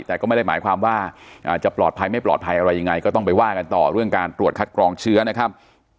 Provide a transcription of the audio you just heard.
แต่ก็ไม่ได้หมายความว่าจะปลอดภัยไม่ปลอดภัยอะไรยังไงก็ต้องไปว่ากันต่อเรื่องการตรวจคัดกรองเชื้อนะครับ